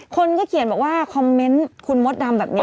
คนก็เขียนบอกว่าคอมเมนต์คุณมดดำแบบนี้